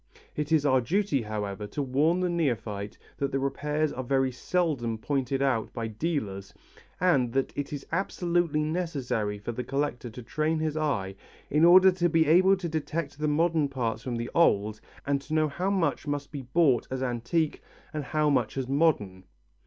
It is our duty, however, to warn the neophyte that repairs are very seldom pointed out by dealers and that it is absolutely necessary for the collector to train his eye in order to be able to detect the modern parts from the old and to know how much must be bought as antique and how much as modern.